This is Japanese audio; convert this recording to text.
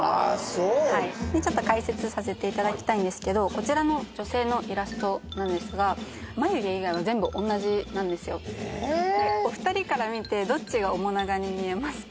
そうはいでちょっと解説させていただきたいんですけどこちらの女性のイラストなんですがなんですよえっお二人から見てどっちが面長に見えますか？